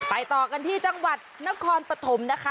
ต่อกันที่จังหวัดนครปฐมนะคะ